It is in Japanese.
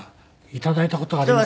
頂いた事があります。